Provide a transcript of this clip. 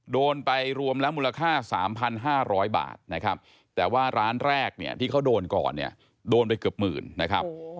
โดนไปรวมแล้วมูลค่า๓๕๐๐บาทนะครับแต่ว่าร้านแรกเนี่ยที่เขาโดนก่อนเนี่ยโดนไปเกือบหมื่นนะครับ